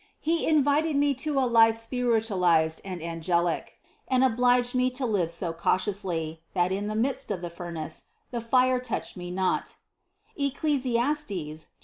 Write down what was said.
He invited me to a life spiritual ized and angelic, and obliged me to live so cautiously, that in the midst of the furnace, the fire touched me not (Ec cli.